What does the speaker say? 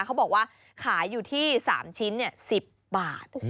เขาบอกว่าขายอยู่ที่๓ชิ้น๑๐บาท